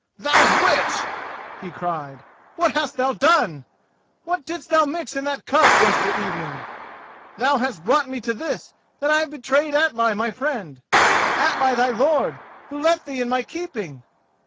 "Thou witch!" he cried, "what hast thou done? What didst thou mix in that cup yestre'en? Thou hast brought me to this that I have betrayed Atli, my friend—Atli, thy lord, who left thee in my keeping!"